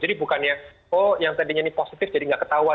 jadi bukannya oh yang tadinya ini positif jadi tidak ketahuan